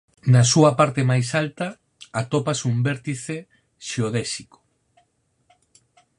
Na súa parte máis alta atópase un vértice xeodésico.